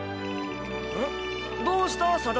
んどうした定時。